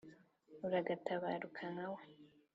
Uragatabaruka nka we.